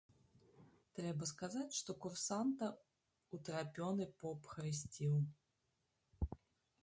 Трэба сказаць, што курсанта ўтрапёны поп хрысціў.